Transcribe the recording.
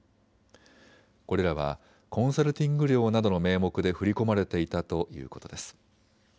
これらはコンサルティング料などの名目で振り込まれていたということです。